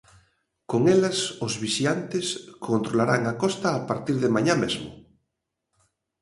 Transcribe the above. Con elas os vixiantes controlarán a costa a partir de mañá mesmo.